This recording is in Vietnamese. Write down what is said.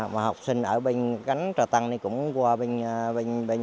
mà học sinh ở bên cánh trà tân cũng qua bên